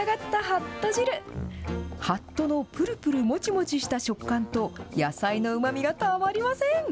はっとのぷるぷるもちもちした食感と、野菜のうまみがたまりません。